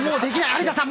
有田さん